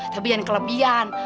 tapi jangan kelebihan